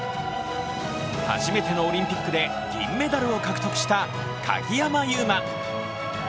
初めてのオリンピックで銀メダルを獲得した鍵山優真。